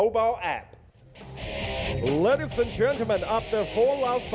พวกท่านคุณท่านตลอดก๊อตลอดก็ได้